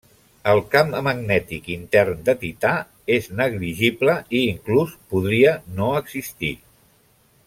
El camp magnètic intern de Tità és negligible, i inclús podria no existir.